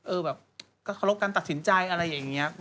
แบบก็เคารพการตัดสินใจอะไรอย่างนี้